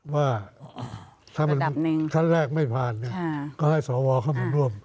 ว่าถ้าท่านแรกไม่ผ่านก็ให้สวเข้ามาร่วม